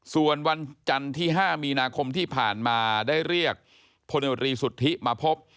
ส่วนวันจันทร์ที่๕มีนาคมที่ผ่านมาได้เรียกพลโนตรีสุทธิมาพบ